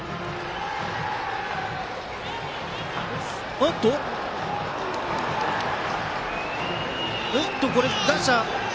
おっと打者。